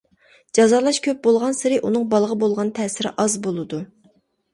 جازالاش كۆپ بولغانسېرى ئۇنىڭ بالىغا بولغان تەسىرى ئاز بولىدۇ.